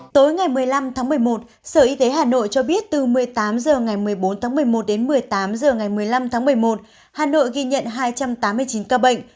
tối ngày một mươi năm tháng một mươi một sở y tế hà nội cho biết từ một mươi tám h ngày một mươi bốn tháng một mươi một đến một mươi tám h ngày một mươi năm tháng một mươi một hà nội ghi nhận hai trăm tám mươi chín ca bệnh